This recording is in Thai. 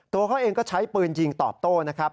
ตัวเขาเองก็ใช้ปืนยิงตอบโต้นะครับ